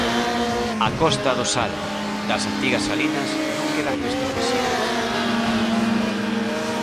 A Costa do Sal: Das antigas salinas non quedan restos visíbeis.